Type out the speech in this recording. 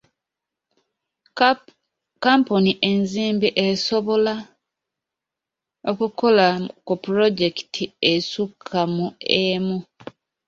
Kampuni enzimbi esobola okukola ku pulojekiti esukka mu emu.